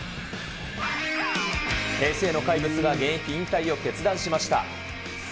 平成の怪物が現役引退を決断しました。